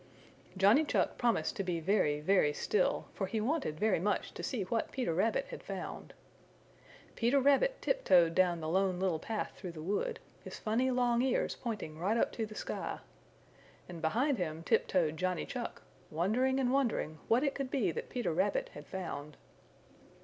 Johnny Chuck promised to be very, very still for he wanted very much to see what Peter Rabbit had found. Peter Rabbit tip toed down the Lone Little Path through the wood, his funny long ears pointing right up to the sky. And behind him tip toed Johnny Chuck, wondering and wondering what it could be that Peter Rabbit had found.